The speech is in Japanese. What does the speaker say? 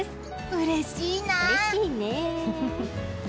うれしいね！